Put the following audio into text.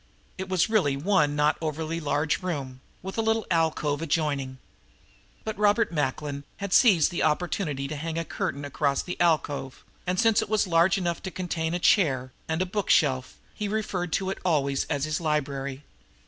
It was really one not overly large room, with a little alcove adjoining; but Robert Macklin had seized the opportunity to hang a curtain across the alcove, and, since it was large enough to contain a chair and a bookshelf, he referred to it always as his "library."